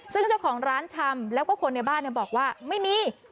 ซึ่งเจ้าของร้านชำแล้วก็คนในบ้านบอกว่าไม่มี